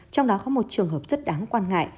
trong đó có một trường hợp rất đáng quan ngại